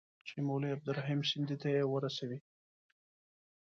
چي مولوي عبدالرحیم سندي ته یې ورسوي.